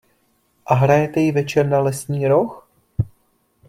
A hrajete jí večer na lesní roh?